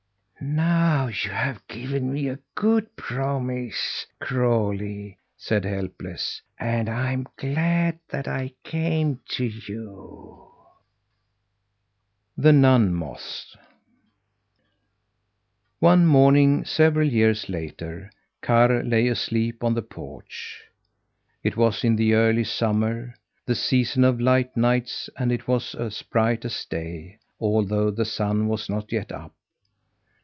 "Now you have given me a good promise, Crawlie," said Helpless, "and I'm glad that I came to you." THE NUN MOTHS One morning several years later Karr lay asleep on the porch. It was in the early summer, the season of light nights, and it was as bright as day, although the sun was not yet up.